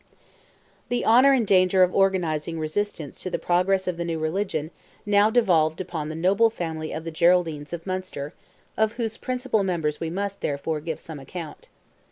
The honour and danger of organizing resistance to the progress of the new religion now devolved upon the noble family of the Geraldines of Munster, of whose principal members we must, therefore, give some account.